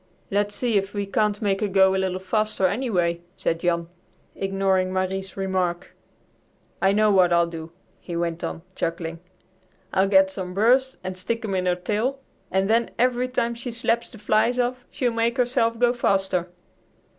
"Let 's see if we can't make her go a little faster, anyway," said Jan, ignoring Marie's remark. "I know what I'll do," he went on, chuckling; "I'll get some burrs and stick them in her tail, and then every time she slaps the flies off she'll make herself go faster."